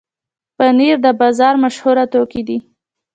پنېر د بازار مشهوره توکي دي.